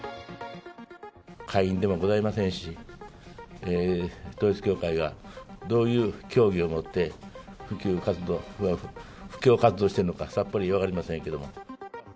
会員でもございませんし、統一教会がどういう教義を持って布教活動をしているのか、さっぱり分かりませんけども。